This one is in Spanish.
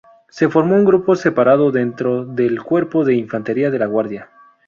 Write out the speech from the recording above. Se formó un grupo separado dentro del cuerpo de Infantería de la Guardia.